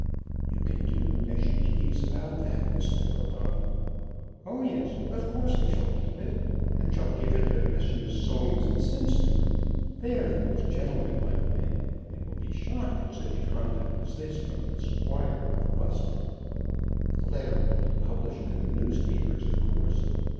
"You can do as you please about that, Miss Thoroughbung." "Oh yes; of course I shall keep it, and shall give it to Messrs. Soames & Simpson. They are most gentlemanlike men, and will be shocked at such conduct as this from the Squire of Buston. The letter will be published in the newspapers, of course.